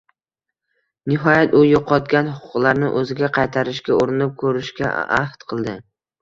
Nihoyat u yo`qotgan huquqlarini o`ziga qaytarishga urinib ko`rishga ahd qildi